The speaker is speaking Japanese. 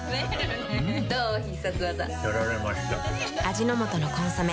味の素の「コンソメ」